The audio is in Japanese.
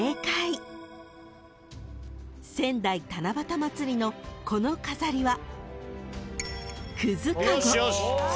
［仙台七夕まつりのこの飾りは］